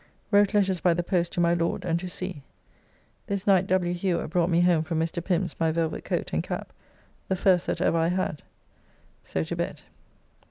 Wrote letters by the post to my Lord and to sea. This night W. Hewer brought me home from Mr. Pim's my velvet coat and cap, the first that ever I had. So to bed.